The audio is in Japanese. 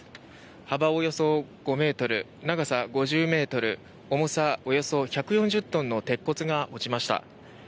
幅およそ５ｍ、長さ５０ｍ重さおよそ１４０トンの鉄骨が落ちました。